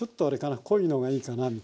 濃いのがいいかなみたいなアハハ。